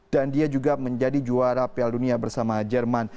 dan dia juga menjadi juara piala dunia bersama jerman